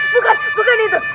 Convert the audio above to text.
bukan bukan itu